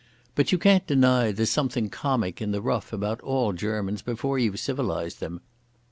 But you can't deny there's something comic in the rough about all Germans, before you've civilised them.